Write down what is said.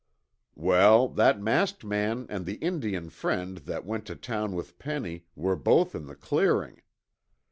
Well, that masked man and the Indian friend that went to town with Penny were both in the clearing.